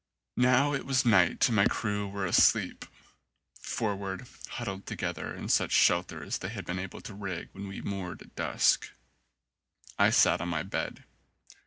Now it was night and my crew were asleep, forward, huddled together in such shelter as they had been able to rig up when we moored at dusk. I sat on my bed.